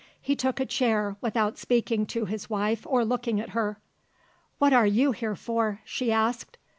He took a chair, without speaking to his wife or looking at her. "What are you here for?" she asked.